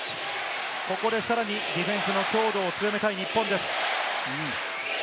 ここでディフェンスの強度を強めたい日本です。